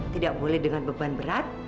tidak boleh dengan beban berat